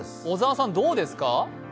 小沢さんどうですか？